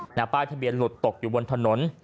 หน้าป้ายทะเบียนหลุดตกอยู่บนถนน